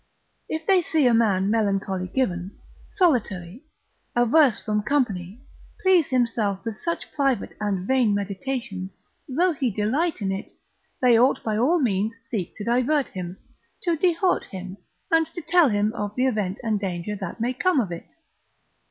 If they see a man melancholy given, solitary, averse from company, please himself with such private and vain meditations, though he delight in it, they ought by all means seek to divert him, to dehort him, to tell him of the event and danger that may come of it.